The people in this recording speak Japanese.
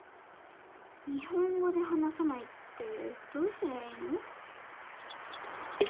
日本語で話さないってどうすりゃいいの？